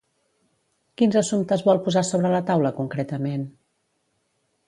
Quins assumptes vol posar sobre la taula concretament?